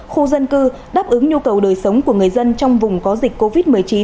khu dân cư đáp ứng nhu cầu đời sống của người dân trong vùng có dịch covid một mươi chín